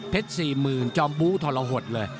เพ็ด๔๐๐๐๐จอมบู้ทฤหดเลย